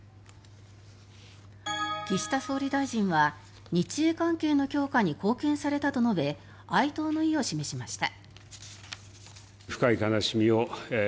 岸田総理大臣は日英関係の強化に貢献されたと述べ哀悼の意を示しました。